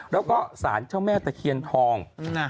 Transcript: แล้วก็สารเจ้าแม่ตะเคียนทอง